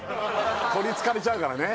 取りつかれちゃうからね